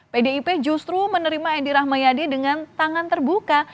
pdip justru menerima edi rahmayadi dengan tangan terbuka